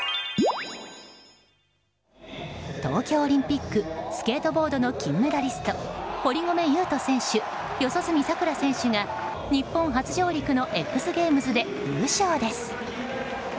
東京オリンピックスケートボードの金メダリスト堀米雄斗選手四十住さくら選手が日本初上陸のＸＧＡＭＥＳで優勝です。